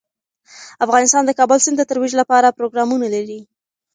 افغانستان د کابل سیند د ترویج لپاره پروګرامونه لري.